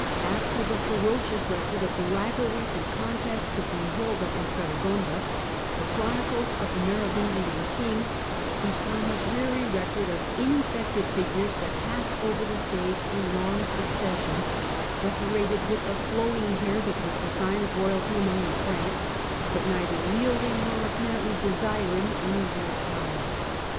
After the ferocious record of the rivalries and :ontests of Brunhilda and Fredegonda the chronicles if the Merovingian kings become a dreary record of neffective figures that pass over the stage in long suc ession, decorated with the flowing hair that was the ign of royalty among the Franks, but neither wielding, lor apparently desiring, any real power.